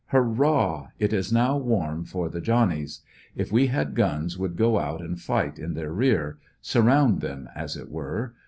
Hur rah! It is now warm for the Johnnies. If we had guns would go out and fight in their rear; surround them, as it were.